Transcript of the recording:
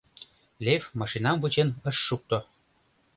Лев машинам вучен ыш шукто.